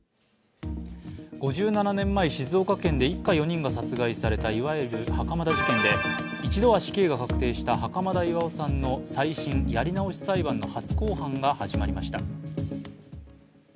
５７年前、静岡県で一家４人が殺害されたいわゆる袴田事件で、一度は死刑が確定した袴田巖さんの再審、やり直し裁判の初公判が始まりました。